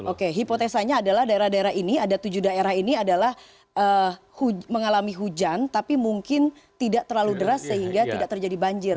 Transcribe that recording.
oke hipotesanya adalah daerah daerah ini ada tujuh daerah ini adalah mengalami hujan tapi mungkin tidak terlalu deras sehingga tidak terjadi banjir